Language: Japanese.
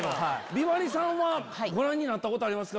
美波里さんはご覧になったことありますか？